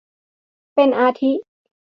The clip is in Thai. เป็นอาทิ